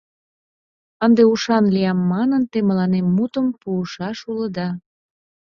— Ынде ушан лиям манын, те мыланем мутым, пуышаш улыда!